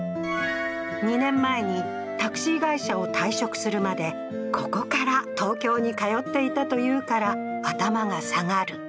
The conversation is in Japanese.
２年前にタクシー会社を退職するまで、ここから東京に通っていたというから、頭が下がる。